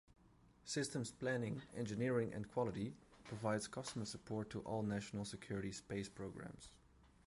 Systems Planning, Engineering and Quality provides customer support to all national-security space programs.